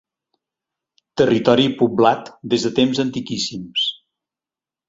Territori poblat des de temps antiquíssims.